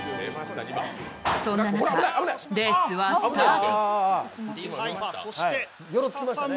そんな中、レースはスタート。